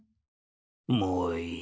もういい。